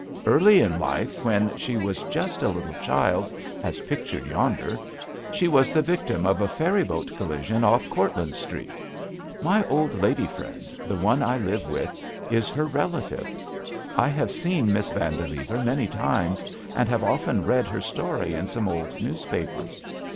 Early in life when she was just a little child as pictured yonder, she was the victim of a ferry boat collision off Cortlandt Street. My old lady friend — the one I live with — is her relative. I have seen Miss Van dilever many times, and have often read her story in some old newspapers.